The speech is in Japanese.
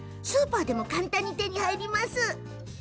スーパーでも簡単に手に入ります。